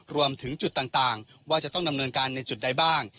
รวมถึงจุดต่างว่าจะต้องดำเนินการในจุดใดบ้าง